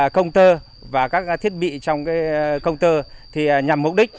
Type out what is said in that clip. công tơ và các thiết bị trong công tơ nhằm mục đích